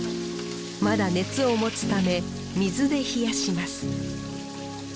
まだ熱を持つため水で冷やします。